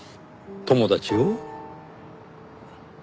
友達を？